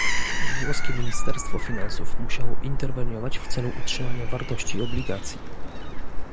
Włoskie Ministerstwo Finansów musiało interweniować w celu utrzymania wartości obligacji